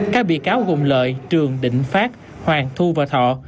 các bị cáo gồm lợi trường định phát hoàng thu và thọ